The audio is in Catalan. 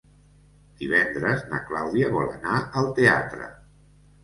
Divendres na Clàudia vol anar al teatre.